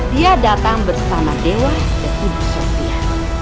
dia datang bersama dewa dan ibu sofia